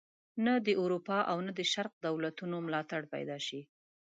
نه د اروپا او نه د شرق دولتونو ملاتړ پیدا شي.